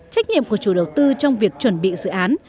trách nhiệm của chủ đầu tư trong việc chuẩn bị dự án